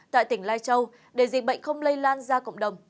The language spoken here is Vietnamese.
tại tỉnh lai châu để dịch bệnh không lây lan ra cộng đồng